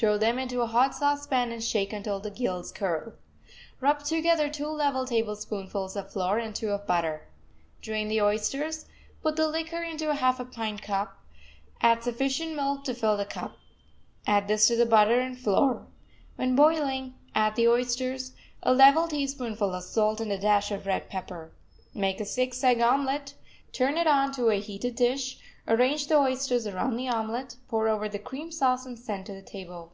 Throw them into a hot saucepan and shake until the gills curl. Rub together two level tablespoonfuls of flour and two of butter. Drain the oysters, put the liquor into a half pint cup, add sufficient milk to fill the cup. Add this to the butter and flour. When boiling, add the oysters, a level teaspoonful of salt and a dash of red pepper. Make a six egg omelet, turn it onto a heated dish, arrange the oysters around the omelet, pour over the cream sauce, and send to the table.